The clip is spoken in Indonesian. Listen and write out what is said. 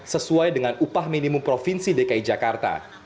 sesuai dengan upah minimum provinsi dki jakarta